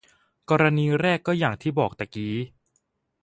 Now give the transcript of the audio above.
กรณีแรกก็อย่างที่บอกตะกี้